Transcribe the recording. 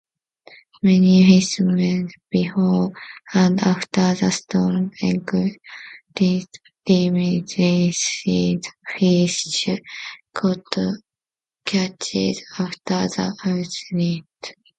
Many fishermen before and after the storm encountered diminished fish catches after the hurricane.